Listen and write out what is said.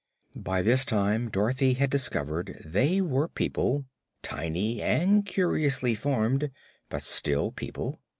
By this time Dorothy had discovered they were people, tiny and curiously formed, but still people.